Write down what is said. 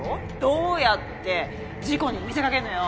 どうやって事故に見せかけんのよ？